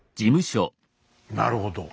なるほど。